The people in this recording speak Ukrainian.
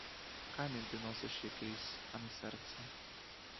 Камінь ти носиш якийсь, а не серце.